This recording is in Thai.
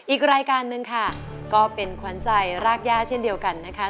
อีกรายการหนึ่งค่ะก็เป็นขวัญใจรากย่าเช่นเดียวกันนะคะ